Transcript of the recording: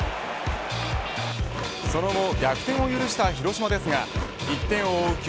その後逆転を許した広島ですが１点を追う